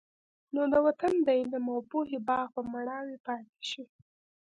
نو د وطن د علم او پوهې باغ به مړاوی پاتې شي.